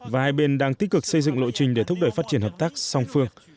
và hai bên đang tích cực xây dựng lộ trình để thúc đẩy phát triển hợp tác song phương